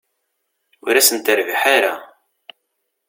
Ur asen-terbiḥ ara.